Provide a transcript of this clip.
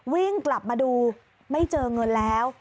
วิ่งกลับมาดูไม่เจอเงินแล้ว